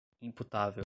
imputável